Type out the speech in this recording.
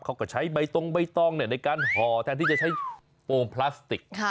เขาก็ใช้ใบตรงใบตองในการห่อแทนที่จะใช้โปรงพลาสติก